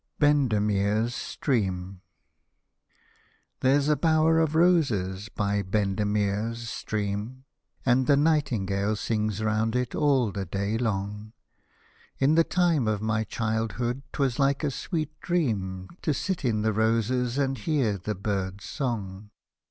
BENDEMEER'S STREAM There's a bower of roses by Bendemeer's stream, And the nightingale sings round it all the day long; In the time of my childhood 'twas like a sweet dream. To sit in the roses and hear the bird's song.